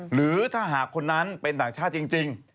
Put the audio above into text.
หรือถ้าหากคนนั้นเป็นต่างชาติจริง